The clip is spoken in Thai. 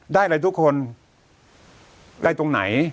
ได้อะไรทุกคนได้ตรงไหน